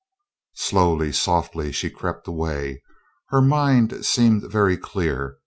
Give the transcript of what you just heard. Slowly, softly, she crept away. Her mind seemed very clear.